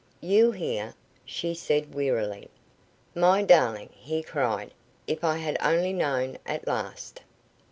"You here?" she said, wearily. "My darling!" he cried. "If I had only known. At last!"